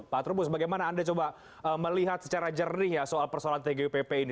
pak trubus bagaimana anda coba melihat secara jernih ya soal persoalan tgupp ini